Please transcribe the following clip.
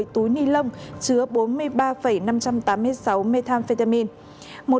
một mươi túi nilon chứa bốn mươi ba năm trăm tám mươi sáu methamphetamine